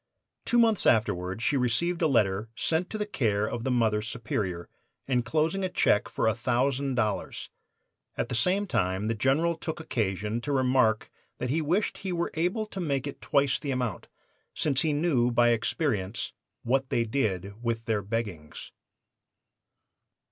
"Two months afterward she received a letter sent to the care of the Mother Superior, inclosing a check for a thousand dollars. At the same time the General took occasion to remark that he wished he were able to make it twice the amount, since he knew by experience 'What they did with their beggings.